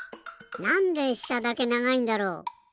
なんでしただけながいんだろう？